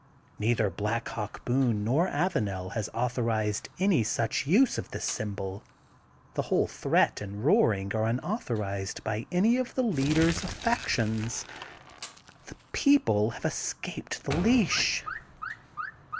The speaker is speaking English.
Neither Black Hawk Boone nor Avanel has authorized any such use of this symbol. The whole threat and roaring are unauthorized by any of the leaders of factions. The ^* People '* have escaped the leash.